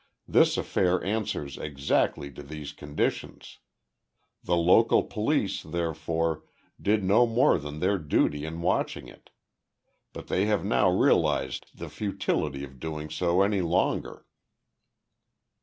This affair answers exactly to these conditions. The local police, therefore, did no more than their duty in watching it. But they have now realised the futility of doing so any longer."